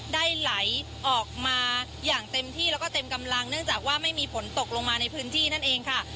ได้ไหลออกมาอย่างเต็มที่แล้วก็เต็มกำลังเนื่องจากว่าไม่มีฝนตกลงมาในพื้นที่นั่นเองค่ะ